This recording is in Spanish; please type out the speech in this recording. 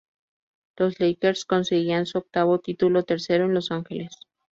Los Lakers conseguían su octavo título, tercero en Los Ángeles.